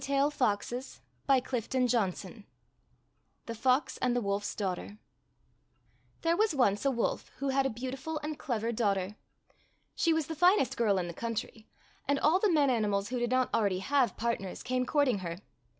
THE FOX AND THE WOLF'S DAUGHTER THE FOX AND THE WOLF'S DAUGHTER T here was once a wolf who had a beau tiful and clever daughter. She was the finest girl in the country, and all the men animals who did not already have part ners came courting her.